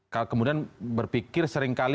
kalau kemudian berpikir seringkali